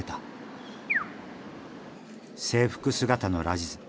制服姿のラジズ。